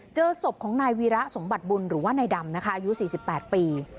เจอศพของนายวีระสมบัติบุญหรือว่านายดำนะคะอายุ๔๘ปี